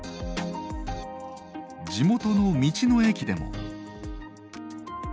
地元の道の駅でも。